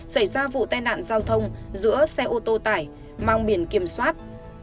xảy ra vụ tai nạn giao thông giữa xe ô tô tải mang biển kiểm soát